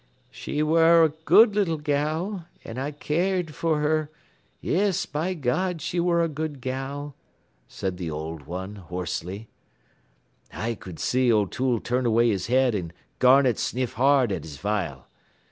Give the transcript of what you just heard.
"'She ware a good leetle gal an' I cared for her Yes, by God, she ware a good gal,' said th' old one, hoarsely. "I cud see O'Toole turn away his head an' Garnett sniff hard at his vial.